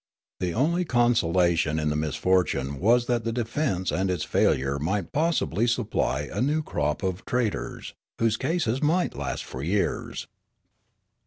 The only consolation in the misfortune was that the defence and its failure might possibly supply a new crop of traitors, whose cases might last for 5' ears.